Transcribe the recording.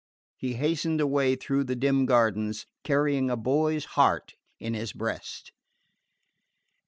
He hastened away through the dim gardens, carrying a boy's heart in his breast.